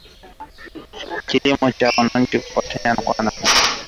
Kilimo cha Kigeni na Chuo Kikuu cha Georgia Athens nchini Georgia